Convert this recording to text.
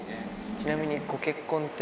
ちなみにご結婚って？